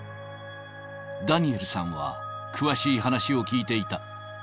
ダニエルさんは詳しい話を聞いていた。